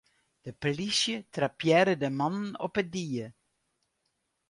De polysje trappearre de mannen op 'e die.